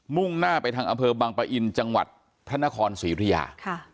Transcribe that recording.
่งหน้าไปทางอำเภอบังปะอินจังหวัดพระนครศรีอุทยา